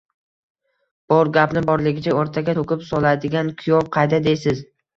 Bor gapni borligicha o‘rtaga to‘kib soladigan kuyov qayda deysiz